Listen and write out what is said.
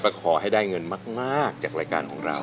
ก็ขอให้ได้เงินมากจากรายการของเรา